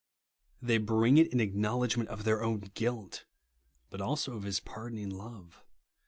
They bring it in acknowledgment of their own guilt, but also of his pardoning love.